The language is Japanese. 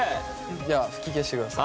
では吹き消してください。